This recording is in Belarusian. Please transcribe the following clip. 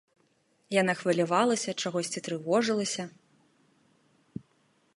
Яна хвалявалася, чагосьці трывожылася.